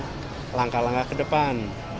kita bicara tentang langkah langkah kedepan